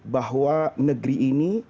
bahwa negeri ini